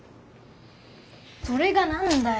それがなんだよ！